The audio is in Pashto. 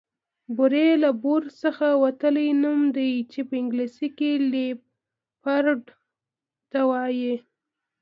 بوری له بور څخه وتلی نوم دی چې په انګليسي کې ليپرډ ته وايي